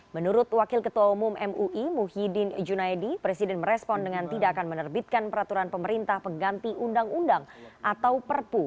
menurut wakil ketua umum mui muhyiddin junaidi presiden merespon dengan tidak akan menerbitkan peraturan pemerintah pengganti undang undang atau perpu